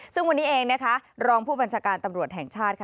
ซึ่งวันนี้เองนะคะรองผู้บัญชาการตำรวจแห่งชาติค่ะ